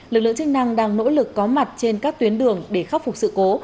lực lượng chức năng đang nỗ lực có mặt trên các tuyến đường để khắc phục sự cố